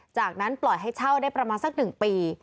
จากนั้นปล่อยให้เช่าได้ประมาณสัก๑ปี